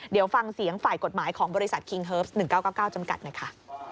เดี๋ยวฟังเสียงฝ่ายกฎหมายของบริษัทคิงเฮิร์ฟ๑๙๙จำกัดหน่อยค่ะ